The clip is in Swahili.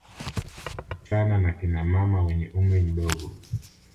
Wasichana na kina mama wenye umri mdogo